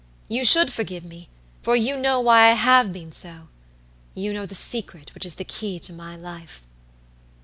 You should forgive me, for you know why I have been so. You know the secret which is the key to my life.